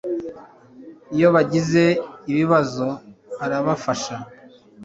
iyo bagize ibibazo arabafasha